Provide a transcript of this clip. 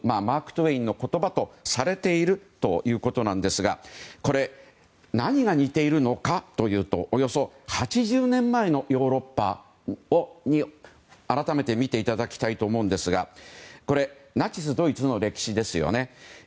マーク・トウェインの言葉とされているということなんですがこれ、何が似ているのかというとおよそ８０年前のヨーロッパを改めて見ていただきたいんですがナチスドイツの歴史ですよね。